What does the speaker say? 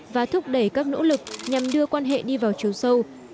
và thúc đẩy các nỗ lực nhằm đưa quan hệ đi vào chiều sâu